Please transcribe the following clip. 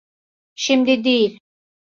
Şimdi değil.